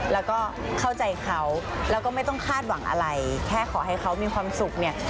แล้วก็เข้าใจเขาแล้วก็ไม่ต้องคาดหวังอะไรแค่ขอให้เขามีความสุขเนี่ย